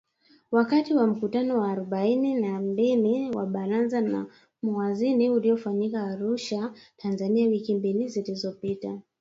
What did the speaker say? Wakati wa mkutano wa arubaini na mbili wa Baraza la Mawaziri uliofanyika Arusha, Tanzania wiki mbili zilizopita